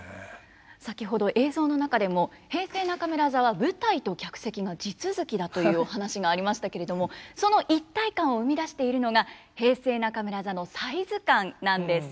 先ほど映像の中でも「平成中村座は舞台と客席が地続きだ」というお話がありましたけれどもその一体感を生み出しているのが平成中村座のサイズ感なんです。